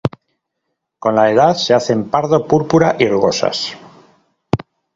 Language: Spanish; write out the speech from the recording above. Con la edad, se hacen pardo púrpura, y rugosas.